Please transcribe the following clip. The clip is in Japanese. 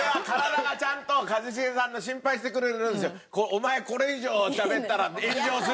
お前これ以上喋ったら炎上するぞ！